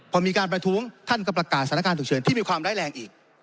พอมีการประท้วงท่านก็ประกาศสถานการณ์ฉุกเฉินที่มีความร้ายแรงอีก